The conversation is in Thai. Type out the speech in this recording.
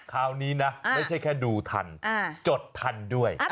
คราวนี้นะไม่ใช่แค่ดูทันจดทันด้วย